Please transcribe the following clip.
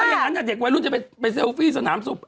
อย่างนั้นเด็กวัยรุ่นจะไปเซลฟี่สนามสุก